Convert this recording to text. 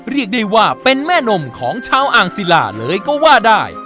เรียกได้ว่าเป็นแม่นมของชาวอ่างศิลาเลยก็ว่าได้